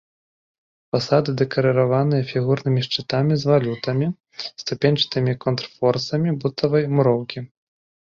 Фасады дэкарыраваныя фігурнымі шчытамі з валютамі, ступеньчатымі контрфорсамі бутавай муроўкі.